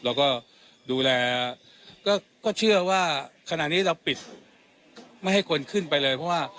เราก็ดูแลก็เชื่อว่าขณะนี้เราปิดไม่ให้คนขึ้นไปเลยเพราะว่า